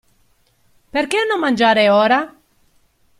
Perché non mangiare ora?